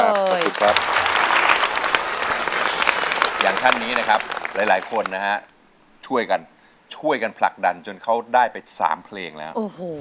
เอาสังคมช่วยตามเพลงแล้ว